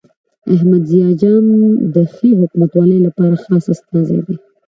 احمد ضیاء جان د ښې حکومتولۍ لپاره خاص استازی دی.